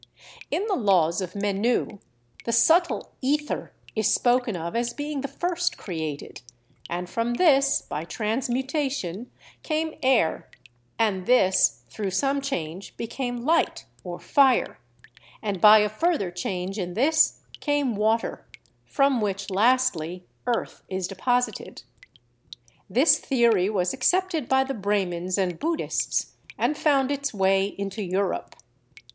In the Laws of Menu the subtle ether is spoken of as being the first created, and from this, by transmutation, came air, and this through some change became light or fire, and by a further change in this came water, from which lastly earth is deposited. This theory was accepted by the Brahmans and Buddhists and found its way into Europe.